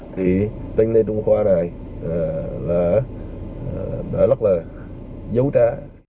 thì tên lê trung khoa này là rất là dấu trá